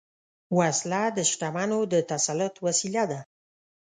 وسله د شتمنو د تسلط وسیله ده